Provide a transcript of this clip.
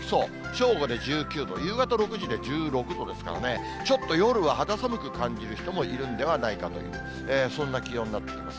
正午で１９度、夕方６時で１６度ですからね、ちょっと夜は肌寒く感じる人もいるんではないかという、そんな気温になってきます。